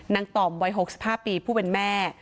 ต่อมวัย๖๕ปีผู้เป็นแม่